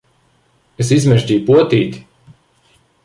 Es izmežģīju potīti!